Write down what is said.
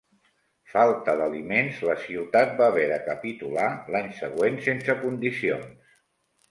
Falta d'aliments, la ciutat va haver de capitular l'any següent sense condicions.